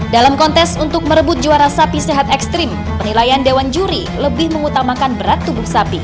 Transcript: dalam kontes untuk merebut juara sapi sehat ekstrim penilaian dewan juri lebih mengutamakan berat tubuh sapi